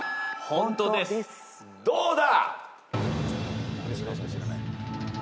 どうだ？